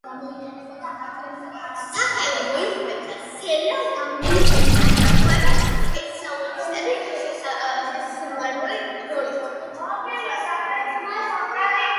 სახელი მოიხვეჭა სერიალ „გამოძიებას აწარმოებენ სპეციალისტები“ შესრულებული როლით.